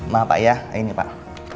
maaf pak ya ini pak